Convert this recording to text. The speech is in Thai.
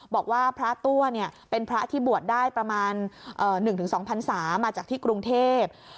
บอกว่าพระตัวเป็นพระที่บวชได้ประมาณ๑๒พันศามาจากที่กรุงเทพ